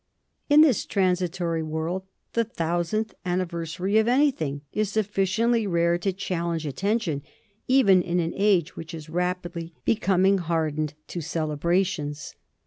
In this transitory world the thousandth anniversary of anything is sufficiently rare to challenge attention, even in an age which is rapidly becoming hardened to NORMANDY IN HISTORY 3 celebrations.